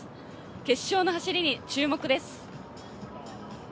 決勝の走りに注目です。